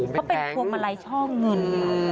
เพราะเป็นภัวมาลัยช่องเงิน